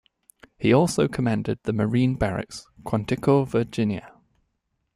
He also commanded the Marine Barracks, Quantico, Virginia.